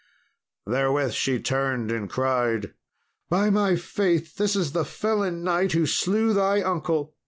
Therewith she turned and cried, "By my faith, this is the felon knight who slew thy uncle!"